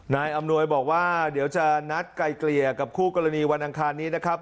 อำนวยบอกว่าเดี๋ยวจะนัดไกลเกลี่ยกับคู่กรณีวันอังคารนี้นะครับ